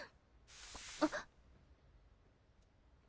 あっ！